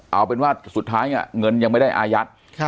เอาเป็นว่าสุดท้ายเงินยังไม่ได้อายัด